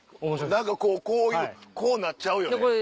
何かこうこうなっちゃうよね。